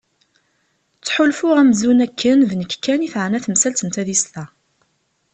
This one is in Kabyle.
Ttḥulfuɣ amzun akken d nekk kan i teɛna temsalt n tadist-a.